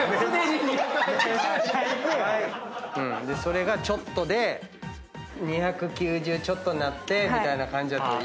それがちょっとで２９０ちょっとになってみたいな感じやったらいいよね。